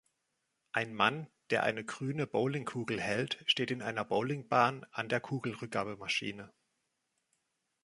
Ein Mann, der eine grüne Bowlingkugel hält, steht in einer Bowlingbahn an der Kugelrückgabemaschine.